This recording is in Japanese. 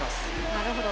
なるほど。